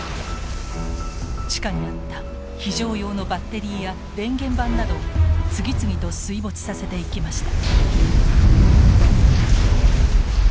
地下にあった非常用のバッテリーや電源盤などを次々と水没させていきました。